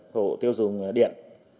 hộ tiêu dùng điện